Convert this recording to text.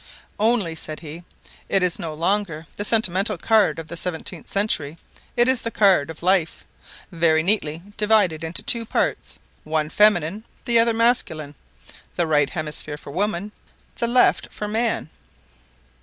"Only," said he, "it is no longer the sentimental card of the seventeenth century, it is the card of life, very neatly divided into two parts, one feminine, the other masculine; the right hemisphere for woman, the left for man."